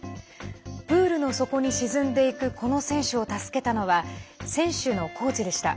プールの底に沈んでいくこの選手を助けたのは選手のコーチでした。